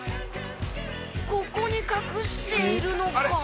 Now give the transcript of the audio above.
ここに隠しているのか？